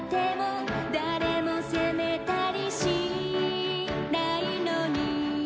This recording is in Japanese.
「誰も責めたりしないのに」